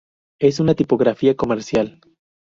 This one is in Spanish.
Es una tipografía comercial.